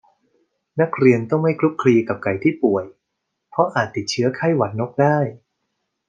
นักเรียนต้องไม่คลุกคลีกับไก่ที่ป่วย เพราะอาจติดเชื้อไข้หวัดนกได้